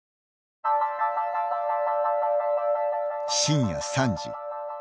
深夜３時。